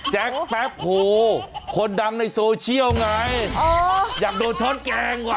แป๊บโหคนดังในโซเชียลไงอยากโดนทอดแกงว่ะ